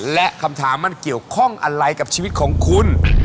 และคำถามมันเกี่ยวข้องอะไรกับชีวิตของคุณ